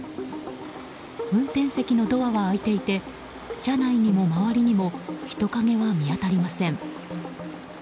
運転席のドアは開いていて車内にも周りにも人影は見当たりません。